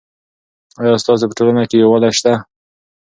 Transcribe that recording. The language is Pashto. آیا ستاسو په ټولنه کې یووالی سته؟